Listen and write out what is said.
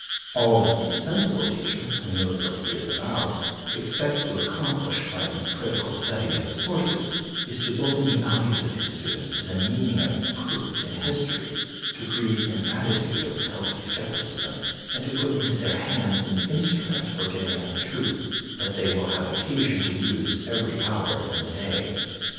All that the sensible teacher, who knows what he is about, expects to accomplish by the critical study of the sources is to open the eyes of his students to the meaning of proof in history, to create an attitude of healthy scepticism and to put into their hands an instrument for getting at the truth that they will have occasion to use every hour in the day.